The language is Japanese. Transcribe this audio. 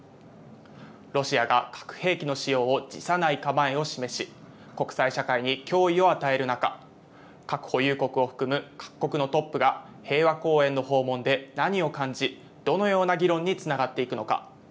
ロシアが核兵器の使用を辞さない構えを示し、国際社会に脅威を与える中、核保有国を含む各国のトップが平和公園の訪問で何を感じ、どのような議論につながっていくのか。